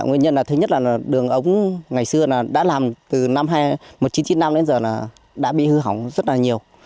nguyên nhân là thứ nhất là đường ống ngày xưa đã làm từ năm một nghìn chín trăm chín mươi năm đến giờ đã bị hư hỏng rất là nhiều